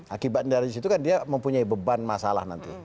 akibat dari situ kan dia mempunyai beban masalah nanti